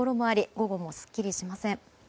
午後もすっきりしません。